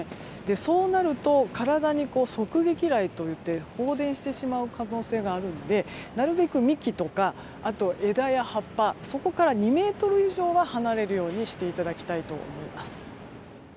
そうなると、体に側撃雷といって放電してしまう可能性があるのでなるべく幹とか枝や葉っぱそこから２ｍ以上は離れるようにしていただきたいと思います。